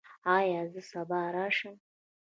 ایا زه سبا راشم؟